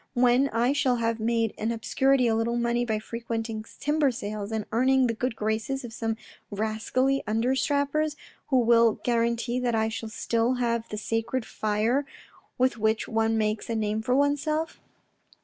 When I shall have made in obscurity a little money by frequenting timber sales, and earning the good graces of some rascally under strappers who will guarantee that I shall still have the sacred fire with which one makes a name for oneself?